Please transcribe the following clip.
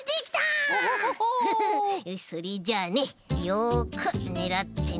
それじゃあねよくねらってね。